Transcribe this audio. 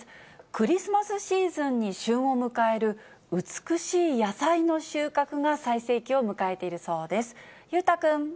クリスマスシーズンに旬を迎える、美しい野菜の収穫が最盛期を迎えているそうです。